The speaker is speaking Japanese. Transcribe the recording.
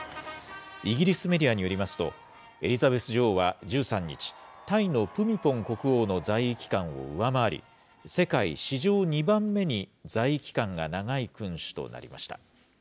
イギリスメディアによりますと、エリザベス女王は１３日、タイのプミポン国王の在位期間を上回り、世界史上２番目に在位期間が長い君主となりました。